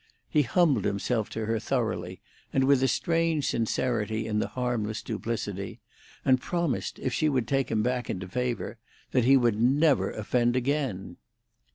He humbled himself to her thoroughly, and with a strange sincerity in the harmless duplicity, and promised, if she would take him back into favour, that he would never offend again.